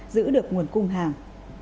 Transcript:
giữ được nguồn cung hàng